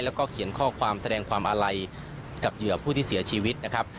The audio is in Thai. แล้วก็เขียนข้อความแสดงความอาลัยกับเหยื่อผู้ที่เสียชีวิตนะครับ